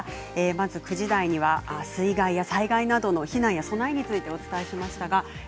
まず９時台には水害や災害などの避難や備えについてお伝えしました。